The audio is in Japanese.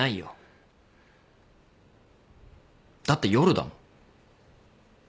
だって夜だもん。